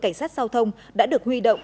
cảnh sát giao thông đã được huy động